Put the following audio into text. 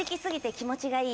気持ちいい。